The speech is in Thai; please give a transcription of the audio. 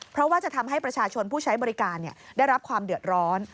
เพราะว่าจะทำให้ประชาชนผู้ใช้บริการได้รับความเดือดร้อน